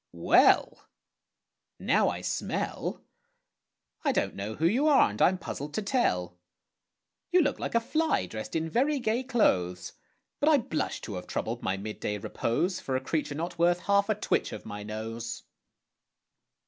Well! Now I smell, I don't know who you are, and I'm puzzled to tell. You look like a fly dressed in very gay clothes, But I blush to have troubled my mid day repose For a creature not worth half a twitch of my nose.